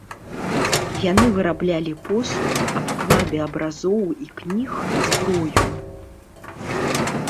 Яны выраблялі посуд, абклады абразоў і кніг, зброю.